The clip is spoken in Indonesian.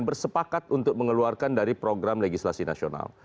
bersepakat untuk mengeluarkan dari program legislasi nasional